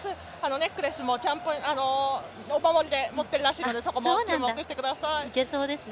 ネックレスもお守りで持ってるらしいのでそこも注目してください。